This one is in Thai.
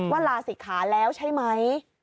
ว่าลาสิทธิ์ขาแล้วใช่ไหม